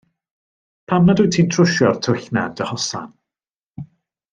Pam nad wyt ti'n trwsio'r twll yna yn dy hosan?